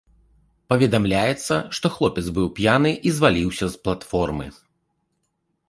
Паведамляецца, што хлопец быў п'яны і зваліўся з платформы.